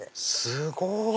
すごい！